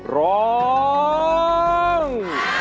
ร้อง